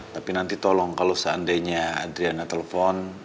tapi nanti tolong kalau seandainya adriana telepon